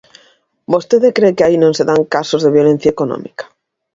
¿Vostede cre que aí non se dan casos de violencia económica?